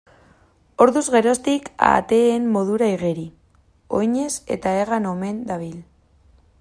Orduz geroztik, ahateen modura igeri, oinez eta hegan omen dabil.